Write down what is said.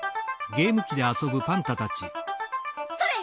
それ！